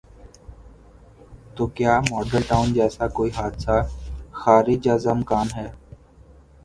تو کیا ماڈل ٹاؤن جیسا کوئی حادثہ خارج از امکان ہے؟